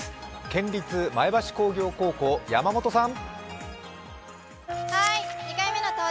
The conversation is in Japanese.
県立前橋工業高校、山本さん。